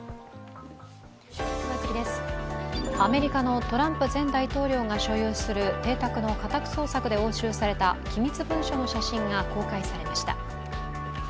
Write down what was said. アメリカのトランプ前大統領が所有する邸宅の家宅捜索で押収された機密文書の写真が公開されました。